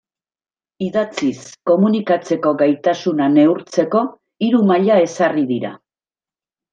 Idatziz komunikatzeko gaitasuna neurtzeko hiru maila ezarri dira.